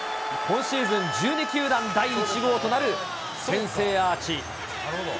今シーズン１２球団第１号となる先制アーチ。